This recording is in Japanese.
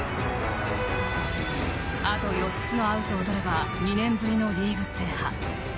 あと４つのアウトを取れば２年ぶりのリーグ制覇。